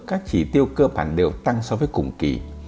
các chỉ tiêu cơ bản đều tăng so với cùng kỳ